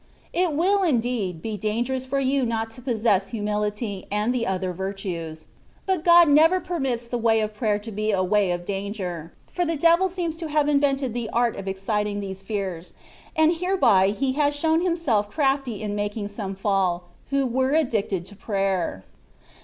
It will, indeed, be dangerous for you not to possess humi lity, and the other virtues ; but Grod never per mits the way of prayer to be a way of danger ; for the devil seems to have invented the art of ex citing these fears, and hereby he has shown him self crafty in making some fall, who were addicted to prayer.